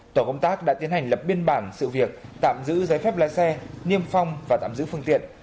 tổ công tác đã tiến hành lập biên bản sự việc tạm giữ giấy phép lái xe niêm phong và tạm giữ phương tiện